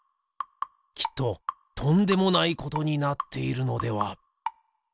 きっととんでもないことになっているのでは。